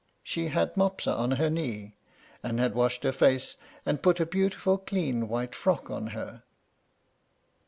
She had Mopsa on her knee, and had washed her face, and put a beautiful clean white frock on her.